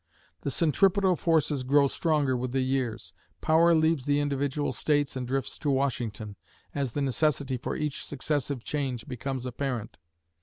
The centripetal forces grow stronger with the years; power leaves the individual states and drifts to Washington, as the necessity for each successive change becomes apparent.